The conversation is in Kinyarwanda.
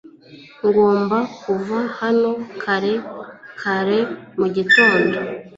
Ngomba kuva hano kare kare mugitondo